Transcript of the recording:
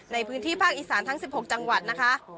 ในพื้นที่ภาคอีสานทั้ง๑๖จังหวัดนะคะ